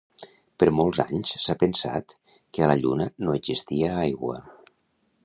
Per molts anys s'ha pensat que a la Lluna no existia aigua.